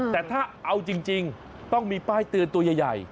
แต่ถ้าเอาจริงต้องมีป้ายเตือนตัวใหญ่